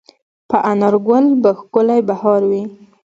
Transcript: په انارګل به ښکلی بهار وي